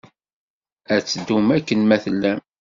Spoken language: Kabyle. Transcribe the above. Ad teddum akken ma tellam